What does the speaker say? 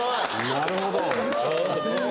なるほど！